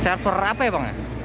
server apa ya pak